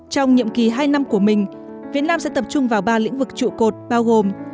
trong nhiệm kỳ hai năm của mình việt nam sẽ tập trung vào ba lĩnh vực trụ cột bao gồm